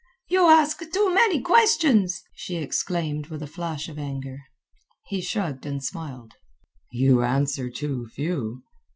"You ask too many questions," she exclaimed with a flash of anger. He shrugged and smiled. "You answer too few."